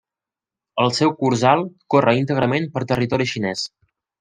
El seu curs alt corre íntegrament per territori xinès.